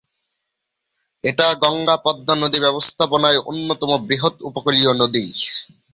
এটা গঙ্গা-পদ্মা নদী ব্যবস্থাপনার অন্যতম বৃহৎ উপকূলীয় নদী।